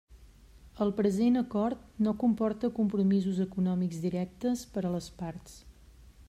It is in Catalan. El present acord no comporta compromisos econòmics directes per a les parts.